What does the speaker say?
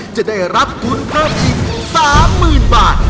จะได้รับทุนเพิ่มอีก๓๐๐๐บาท